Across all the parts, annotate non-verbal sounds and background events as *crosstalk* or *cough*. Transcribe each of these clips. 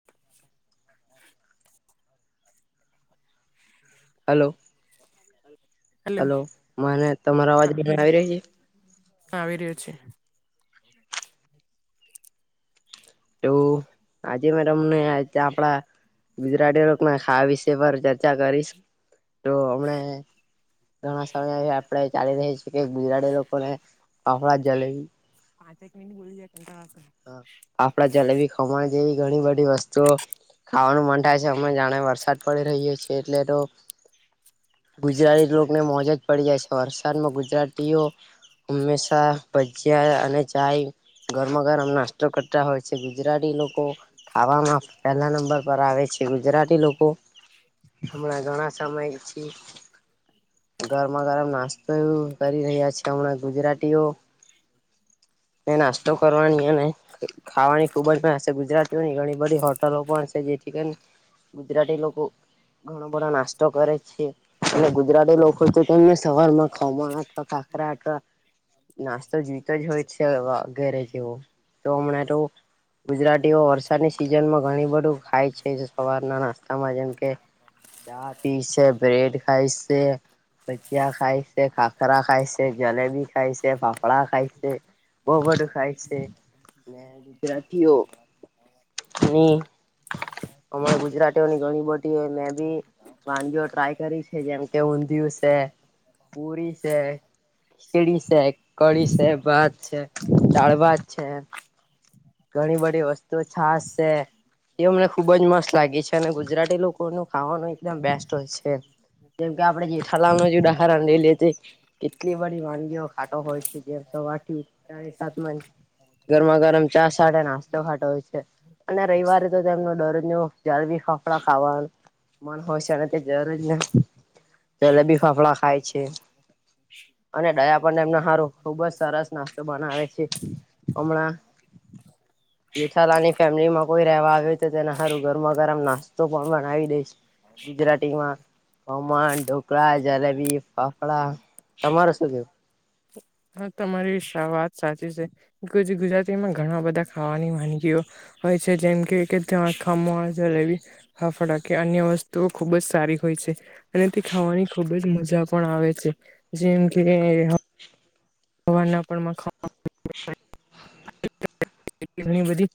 હ હા hello hello મને તમારો અવાજ બ આવી રહ્યા છે હાવેર્યો છેે *inaudible* એું આજે મે તમને આપણા ગુજરાતી આા વિષય પર ચર્ચા કરીશ તો હમણા ઘણા સમય આપડે ચાલી રહી છીએ કે ગુજરા લોકો ને કફડા જલેબી પાંચે એક મિનિટ બોલી જાય હ આપડા જલેબી ખવાણ જેવી ઘણી બધી વસ્તુઓ ખાવાનું મન થાય છે અમે જાણે વરસાદ પડી રહહીએ છીએ એટલે તો ગુજરાતી લોને મોજ જ પડી જાય છે વરસાદમાં ગુજરાતીઓ હંમેશા ભજ્યા અને જાય ઘરમાં પરમ નાસ્તો કરતા હોય છે ગુજરાતી લોકો ખાવામાં પહેલા નંબર પર આવે છે ગુજરાતી લોકો હણાં ઘણા સમમાય છે ગરમાં ગરમ નાસ્તો એવું કરી રહ્યા છે હમણાં ગુજરાતીઓ એન અ્ટો *unintelligible* કરવાની અને ખાવાની ખુબ જ મજા ગુજરાતીઓની ઘણી બધી હોટલો પણ છે જેથી ગુજરાતી લોકો ઘણો બધો નાસ્તો કરે છે અને ગુજરાતી લોકો તો તને સવાર માં ખમણ અથવા ખાખરા અથવા નાસ્તો જોઈતો જ હોય છે ઘેરે જેવો તો હમણાં તો ગુજરાતીઓ વરસાદની સિઝનમાં ઘણી બધું ખાય છે સવારના નાસ્તામાં જેમ કે ચા પીશે બ્રેડ ખાઈ છે. ભજીયા ખાય છે, ખાખરા ખાય છે, જલેબી ખાય છે, ફાફડા ખાય છે. બહ બધું ખાય છે ગુજરાતીઓ હ *unintelligible* અમારા ગુજરાતીઓની ઘણી બધી હોય મે બી વાનગીઓ ટ્રાય કરી છે. જેમ કે ઊંધિયુ છે, પુરી છે ખચડી છે કરી છે ભાત છે દાળભાત છે. ઘણી બધી વસ્તુઓ છાસ છે. એવુ મને ખુબ જ મસ્ત લાગી છે અને ગુજરાતી લોકો ન ખાવાનું એકદમ બેસ્ટ હોય છે. જેમ કે આપડે જેઠલાલ નુ જ ઉદાહરણ લઈ લે કેટલી બધી વાનગીઓ ખાટો હોય છે જેમ સવારથી ચાર સાતમાં *unintelligible* ગરમા ગરમ ચા સાથે નાસ્તો ખાતો હોય છે. અને રવિવારે તો તેમનો ડર ન જાળવી ફાફડા ખાવાનું મન હોય છે અને તે ને જલેબી ફાફડા ખાય છે. અને દયા પણ એનો સારું ખુબ જ સરસ નાસ્તો બનાવે છે. હમણાં *unintelligible* જેઠાલાલની ફેમિલીમાં કોઈ રેવા આવે હોય તો તેના સારું ગરમાં ગરમ નાસ્તો પણ બનાવી દઈશ. ગુજરાતી માં ખમણ ઢોકળા જલેબી ફાફડા તમારૂ શું કેવું? *unintelligible* હા તમારી વાત સાચી છે ગુજરાતીમાં ઘણા બધા ખાવાની વાનગીઓ હોય છે જેમ કે ખમણ જલેબી ફાફડા કે અન્ય વસ્તુઓ ખુબ જ સારી હોય છે. અને તે ખાવાની ખુબ જ મજા પણ આવે છે જેમ કે સવારના પોરમા ખમણ *unintelligible* ઘણી બધી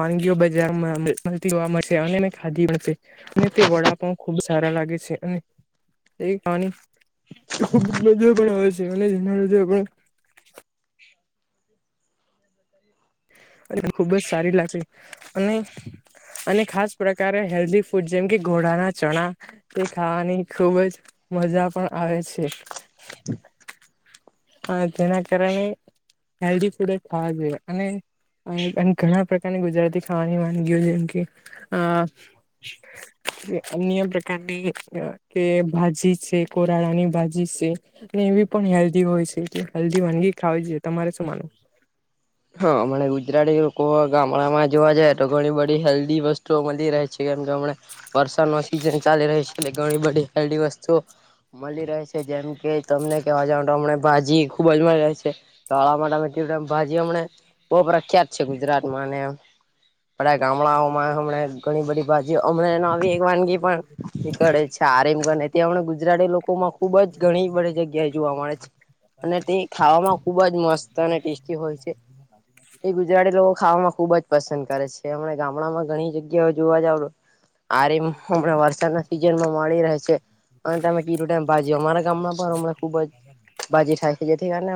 વાનગીઓ બજારમાં મળતી જોવા મળશે અને મે ખાધી પણ છે. અને તે વડા પણ ખુબ સારા લાગે છે અને એ પાણી ખબ રજ પણ હોય છે રજ પણ *unintelligible* અને ખૂબ જ સારી લાગશે અને અને ખાસ પ્રકારે હેલ્ધી ફુડ જેમ ઘોડાના ચણા તે ખાવાની ખુબ જ મજા પણ આવે છે. જેના કારણે હેલ્ધી ફૂડ થવા જોઈએ અને અને ઘણા પ્રકારની ગુજરાતી ખાવાની વાનગીઓ જેમ કે અ અન્ય પ્રકારની કે ભાજી છે, કોરાડાની ભાજી છે. એટલે એવી પણ હેલ્ધી હોય છે. હલ્ધી વાનગી ખાવી છેઈએ તમારે શું માનવું? હા મને એવુ જ ગુજરાતી લોકો ગામડામાં જોવા જાય તો ઘણી બધી હેલ્ધી વસ્તુઓ મળી રહે છે કેમ વરસાદ ની સિઝન ચાલી રહી છે એટલે ઘણી બધી હેલ્ધી વસ્તુઓ મળી રહે છે જેમ કે તમને કેવા જ હમ ભાજી ખુબ જ મળી રહે છે. તોળા માટે ભાજી અમને બહુ પ્રખ્યાત છે ગુજરાતમાં અનેમ બધા ગામડાઓમાં હમ ઘણી બધી બાજી હમ ન આવી એક વાનગી પણ કળે છે આરેમગન ત હમણા ગુજરાતી લોકો માં ખુબ જ ઘણી બધી જગ્યાએ જોવા મળે છે અને તે ખાવામાં ખુબ જ મસ્ત અને ટેસ્ટી હોય છે. એ ગુજરાતી લોકો ખાવામાં ખુબ જ પસંદ કરે છે હમ ગામડામાં ઘણી જગ્યાઓ જોવા જાવ આ ર હમણા વરસાદના સિઝન માં મળી રહે છે અને તમે કીધું ટાઈમ ભાજ્યું અમારા ગામમાં પણ હણા ખુબ જ બાજી થાય છે જેથી કારણે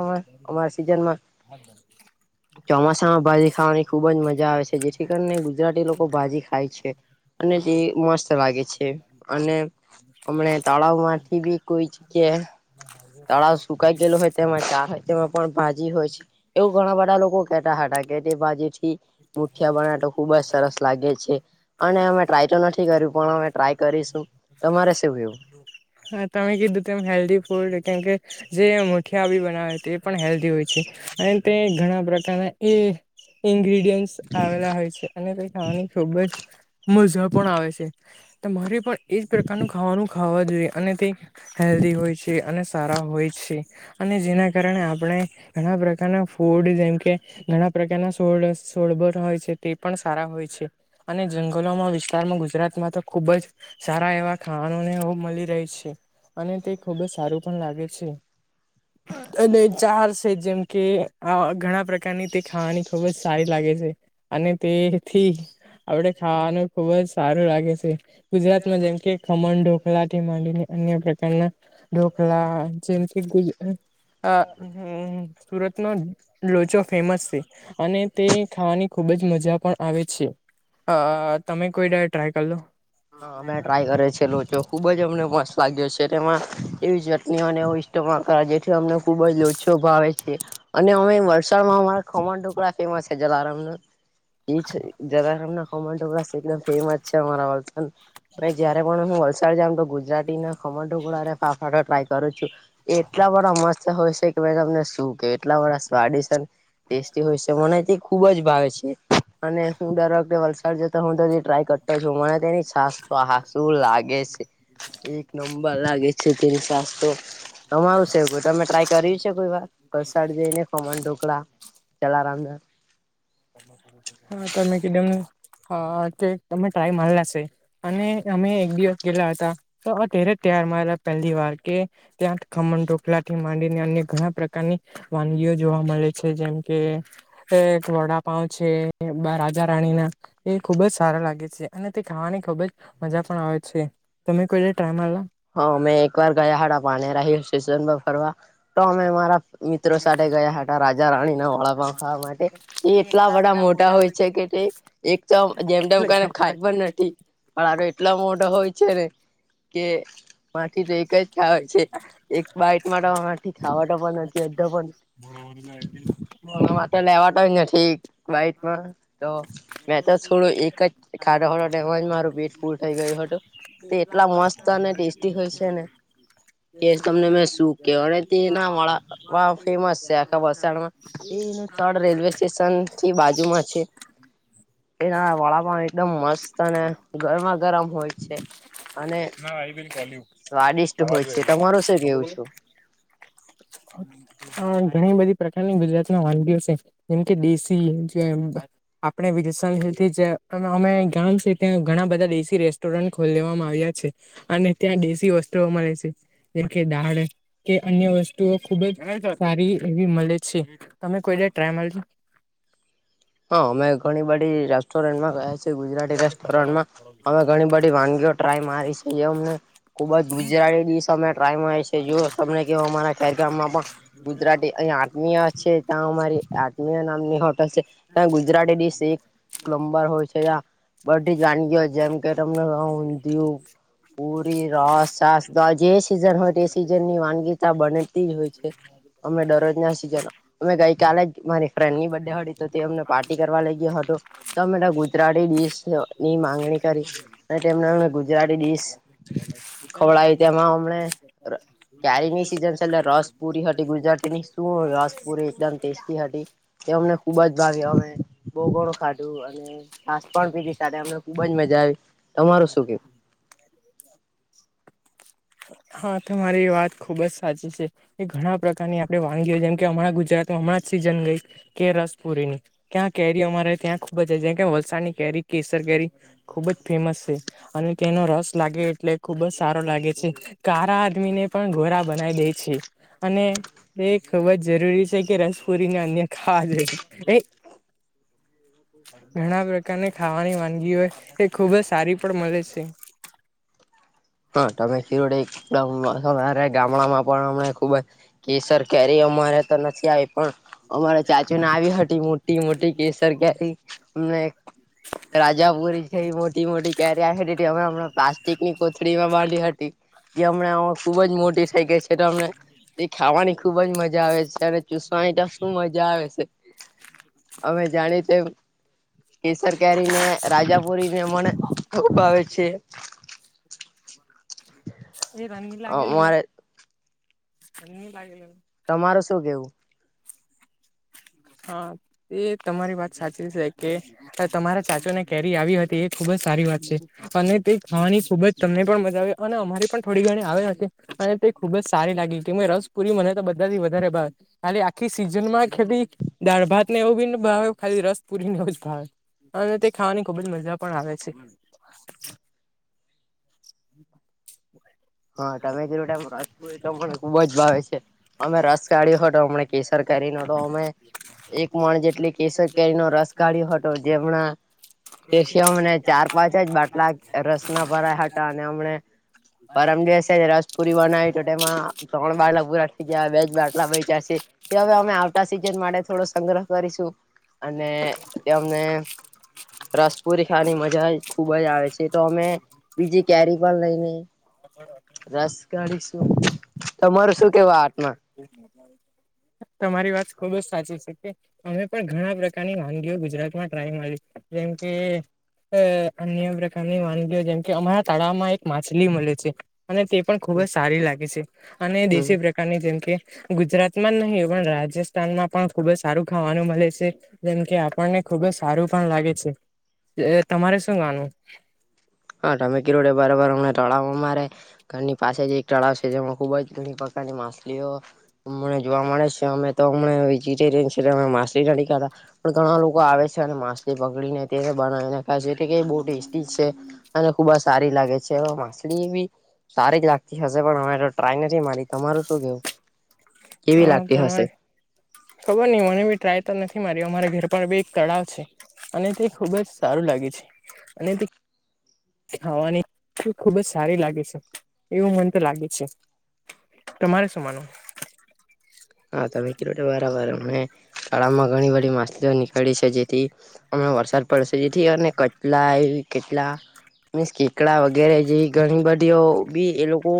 અમારા સિઝનમાં *unintelligible* ચોમાસામાં ભાજી ખાવાની ખુબ જ મજા આવે છે જેથી કરીને ગુજરાતી લોકો ભાજી ખાય છે. અને તે મસ્ત લાગે છે અને. હમને તળાવ માંથી બી કોઈ છે કે તળાવ સુકાઈ ગેલો હોય તેમાં ક હોય. જેમાં પણ બાાજી હોય છે એવું ઘણા બધા લોકો કેટા હતા કે તે બાજી થી. ખબ મુઠિયા બનાવે તો ખુબ જ સરસ લાગે છે અને અમે ટ્રાય ટાય તો નથી કર્યું પણ અમે ટ્રાય કરીશું તમારે શું કેવું? *unintelligible* હા તમે કીધું તેમ હેલ્ધી ફૂડ કેમ કે. જે મુઠિયા બી બનાવે તે પણ હેલ્ધી હોય છે અને તે ઘણા પ્રકારના એ. ઇગ્રીડયન્ટસ. આવેલા હોય છે અને તે ખાવાની ખુબ જ મજા પણ આવે છેરી પણ. એજ પ્રકારનું ખાવાનું ખાવા જોઈએ અને તે હેલ્ધી હોય છે અને સારા હોય છે.. અને જેના કારણે આપણે ઘણા પ્રકારના ફૂડ જેમ કે. ઘણા પ્રકારના સોળ સોળબર. હોય છે તે પણ સારા હોય છે અને જંગલોમાં વિસ્તારમાં ગુજરાતમાં તો ખુબ જ. સારા એવા ખાવાનોને મળી રહે છે અને તે ખુબ જ સારું પણ લાગે છે. અને ચાર છે જેમ કે ઘણા પ્રકારની તે ખાવાની ખુબ જ સારી લાગે છે. અને તેથી આપડે ખાવાનું ખુબ જ સારું લાગે છે. ગુજરાતમાં જેમ કે ખમણ ઢોકલાા થી માંડીની અન્ય પ્રકારના. ઢોકલા જેમ કે ગુજ અ સુરત. નો લોચો ફેમસ છે અને તે ખાવાની ખુબ જ મજા પણ આવે છે અતમે કોઈડાર ટ્રાય કર લો હા અમે ટ્રાય કરએ છે એ. જો ખૂબ જ અમને મસ્ત લાગ્યો છે તેમાં એવી ચટણીઓને એવું ઇસ્ટમાલ કર જેથી અમને ખૂબ જ લો. શુ ભાવે છે અને અમે વલસાડમાં અમા ખમણ ટુકડા ફેમસ છે જલારામ ના. છે જદરમ ના કમો એકદમ ફેમસ છે અમારા. ભ જયારે પણ હું વલસાડ જામ તો ગુજરાતી ના ખમણ ઢગળાને ફાફાટ ટ્રાય કરું છું. એટલા બડાા મસ્ત હોય છે કે ભાઈ તમને શું કે એટલા બા સ્વાદિને. ટેસ્ટી હોય છે મને તે ખુબ જ ભાવે છે. અને હું દર વખતે વલસાડ જતો હું તો ટ્રાય કરતો છું મને તેની. આસ આ શું લાગે છે એક નંબર લાગે છે તેની સાસ્તો કમાવું છે એવ તમે ટ્રાય કરી છે કોઈ વારડ જઈ ને ફમાણ ઢોકળા જલારામ. ના હા તમે કીધમ હ કે તમે ટ્રાય મારલા છે. અને અમે એક દિવસ ગયલા હતા તો અત્યારે જ તૈયાર મા્યા પહેલી વાર કે. ત્યાં ખમણ ઢોકલા થી માંડીને અન્ય ઘણા પ્રકારની વાનગીઓ જોવા મળે છે જેમ કે વડા પાાવ છે રાજા રાણી ના એ ખુબ જ સારા લાગે છે અને તે ખાવાની ખુબ જ મજા પણ આવે છે. તમેમે કોઈ ટાઈ માલેરો હ મે એક વાર ગયા હાડા પાને રાહી સિઝનમાં ફરવા તો અમે મારા. મિત્રો સાથે ગયા હતા રાજા રાણીના વળાપ ખાવા માટે એ એટલા બધા મોટા હોય છે કે તે. એક ચ જેમ તેમમ કને ખાય પણ નથી પણ એટલા મોઢા હોય છે ને. કે. બા જે માથી તો કઈ એક જ ખાવાય છે થ *unintelligible* માટે લેવાય નથીક વાઈટમાં. તો મેં તો થોડું એક જ ખાડા ખોમ જ મારું પેટ પૂર થઈ ગયું હતું. તે એટલા મસ્ત અને ટેસ્ટ. હોય છે ને કે તમને મે શું કેવા ના વાળ. વા ફેમસ છે આખા વમાં એ ત રેલવે સ્ટેશન થી બાજુમાં છે. એના વડાપ એકદમ મસ્ત અને ગરમા ગરમ હોય છે અને. હા આઈ બિલકલયુ. સ્વાદિષ્ટ હોય છે તમારું શું કેવું છો. *unintelligible* ઘણી બધી પ્રકારની ગુજરાત ના વાનગીઓ છે જેમ કે દેશી. આપણે વિલથી અમે ગ છે ત્યા ઘણા બધા દેશી રેસ્ટોરન્ટ ખોલવામાં આવ્યા છે. અને ત્યાં દેશી વસ્ત્રુઓ મળે છે જેમ કે દાળ કે અન્ય વસ્તુ. તો ખુબ જ સારી એવી મળે છે તમે કોઈ ટ *unintelligible* હા અમે ઘણી બડી રેસ્ટોરન્ટમાં ગયા છી. ગુજરાતી રેસ્ટોરમાં અમે ઘણી બધી વાનગીઓ ટ્રાય મારી છે એ. ખુબ જ ગુજરાતી ડીશ અમે ટ્રાય છેઓ તને ક અમારા ખેરગામમાં પણ. ગુજરાતી અહીં આત્મીયા છે ત્યાં અમારી આત્મીય નામની હોટલ છે. ત્યાં ગુજરાતી દસ એક પ્લમ્બર હોય છે. બ બધી જ જાણી વાનગીઓ જેમ કે તમને ગણીપટમાં ઊંધિયું હ પુરી ર તો આ જે સિઝન હોય તે સિઝન ની વાનગીતા બનેતી જ હોય છે અમે દરરોજના સિઝન. અમે ગઈકાલે જ મારી ફ્રેન્ડની બર્ ડે હતી તો તે અમને પાર્ટી કરવા લઈ ગયો હતો તો અમે ગુજરાત. ની માંગણી કરી અને તેમનામ ગુજરાતીડીશ. ક્યારીની સિઝન છે એટલે *unintelligible* રસ પુરી હતી ગુજરાતીની શું *unintelligible* એ અમને ખુબ જ ભાગે અમે બહ ગણું ખાઢું અને છાસ પણ પીધી સાથે અમને ખુબ જ મજા આવી તમારું શું કેવું? *unintelligible* *inaudible* હા તમારી વાત ખુબ જ સાચી છે. એ ઘણા પ્રકારની આપણે વાનગીઓ જેમ કે હમણાં ગુજરાતમાં હમણાં જ સિઝન ગઈ કે રસપુરીની. ક્યાં કેરીઓ અમારે ત્યાં ખુબ જ છે જ કે વલસાડની કેરી કેસર કેરી ખુબ જ ફેમસ છે. અને તેનો રસ લાગે એટલે ખુબ જ સારો લાગે છે. કા આદમી ને પણ ઘોરા બનાવી દે છે અને. એ ખબર જ જરૂરી છે કે રસપુરીને અન્ય ખાવા લઈ. ઘણા પ્રકારની ખાવાની વાનગી હોય એ ખુબ જ સારી પણ મળે છે. હા તમે શિરોડ એકદમરે ગામડામાં પણ અમને ખુબ જ. કે સરકાર અમારે તો નથી આવી. પણ અમારા ચાચોને આવી હતી મોટી મોટી કેસર કરીી અમને. રાજાપુરી છે મોટી મોટી કેરી હમણાં પ્લાસ્ટિક ની કોથરી. વા વાડી હાટી. જે હમણાં ખુબ જ મોટી થઇ ગઈ છેમ એ ખાવાની ખુબ જ મજા આવે છે અને ચુસ. શું મજા આવે છે અમે જાણી તેમ. કેસર કેરી ને રાજાપુરી ને મને ખભ આવે છે. એ રમ લાગેલું અમારે ને ર લાગેલું ન. તમારું શું કેવું. હા એ તમારી વાત સાચી છે કે. તો તમારા ચાચો ને કેરી આવી હતી એ ખુબ જ સારી વાત છે. અને તે ખાવાની ખુબ જ તમને પણ મજા આવે અને અમારે પણ થોડી ઘણી આવે હશે અને તે. ખુબ જ સારી લાગી કે મે રસપુરી મને તો બધાથી વધારે ભાર હાલે આખી સીઝનમાં ખેલી. દાળ ભાત ને એવું બીને ભાવ ખાલી રસ પુરીનેવ જ ભાવે અને તે ખાવાની ખુબ જ મજા પણ આવે છે. *inaudible* હા તમેથીલોુંટ રસ ચળ. ખુબજ ભાવે છે અમે રસ કાઢ્યો તો હમને કેસર કરી ન તો અમે. એક મણ જેટલી કેસર કેરીનોો રસ કાઢ્યો હતો જેમના તેથી અમને ચાર પાંચ જ બાટલા રસના ભરાયા હતા અને હમણે પરમ દિવસેને રસપુરી બનાવી તો તેમાં ત્રણ બાટલા પૂરા થઈ ગયા હવે બેજ બાટલા વચ્યા છે કે હવે અમે આવતા સીઝન માટે થોડો સંગ્રહ કરીશું અને તેમને રસપુરી ખાવાની મજા ખુબ જ આવે છે તો અમે બીજી કેરી પણ લઈને *unintelligible* રસ કાઢી શું તમારું શું કેવુ આ બાબત માં *unintelligible* તમારી વાત ખુબ જ સાચી છે, કે અમે પણ ઘણા પ્રકારની વાનગીઓ ગુજરાતમાં ટ્રાય મારી જેમ કે અ અન્ય પ્રકારની વાનગીઓ જેમ કે અમારા તળાવમાં એક માછલી મળે છે. અને તે પણ ખુબ જ સારી લાગે છે, અને હમ દેશી પ્રકારની જેમ કે ગુજરાત ન નહીં પણ રાજસ્થાનમાં પણ ખુબ જ સારું ખાવાનું મળે છે. જેમ કે આપણને ખુબ જ સારું પણ લાગે છે, તમારે શું માનવું? હા તમે કેધુ એ બરાબર અમને તળાવ મારે ઘરની પાસે જ એક તળાવ છે, જેમાં ખુબ જ ઘણી પ્રકારની માછલીઓ હમને જોવા મળે છે, અમે તો હમને વેજીટેરિયન છેને અમે માછલી નથી ખાધા પણ ઘણા લોકો આવે છે, અને માસ્લી પકડીને તે બનાવીને ખાય છે, એટ કે બહુ ટેસ્ટી છે. અને ખુબ જ સારી લાગે છે, માછલી બી સારી જ લાગતી હશે પણ અમે તો ટ્રાય નથી મારી તમારું શું કેવું કેવી હા લાગતી તમારે હશે? ખબર નહી મને બી ટ્રાય તો નથી મારી અમારે ઘર પર બી એક તળાવ છે. અને તે ખુબ જ સારું લાગે છે, અને ખાવાની ખુબ જ સારી લાગે છે, એવું મન તો લાગે છે. તમારે શું માનું? હા તમે કયો તે બરાબર તાળાવમાં ઘણી બધી માસ્લીઓ નીકળી છે, જેથી હમણાં વરસાદ પડશે જેથી અને કટલા એ કેટલા મીન્સ કેકડા વગેરે જે ઘણી બધીઓ બી એ લોકો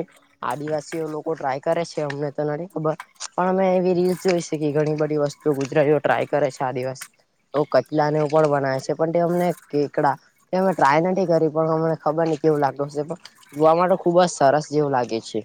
આદિવાસીઓ લોકો ટ્રાય કરે છે, અમને તો નથી ખબર પણ અમે એવી રીલ્સ જોઈ છે, કે ઘણી બધી વસ્તુ ગુજરાતીઓ ટ્રાય કરે છે, આદિવાસી તો કચલાને પણ બનાવે છે, પણ તે અમને કેકડા એ અમે ટ્રાય નથી કરી પણ અમને ખબર નઈ કેવું લાગતું હશે જોવા માટે ખુબ જ સરસ જેવું લાગે છે,